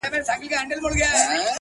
هر خوا مې ولي